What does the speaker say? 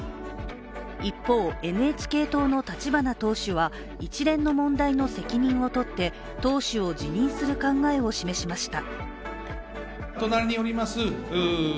一方、ＮＨＫ党の立花党首は一連の問題の責任を取って党首を辞任する考えを示しました。